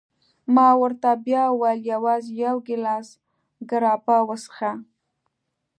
ما ورته بیا وویل: یوازي یو ګیلاس ګراپا وڅېښه.